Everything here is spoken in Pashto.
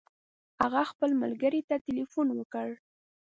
هغه خپل ملګري ته تلیفون وکړ.